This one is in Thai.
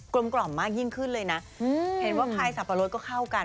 กล่อมมากยิ่งขึ้นเลยนะเห็นว่าคลายสับปะรดก็เข้ากัน